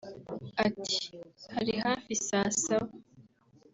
Ati “ Hari hafi saa saba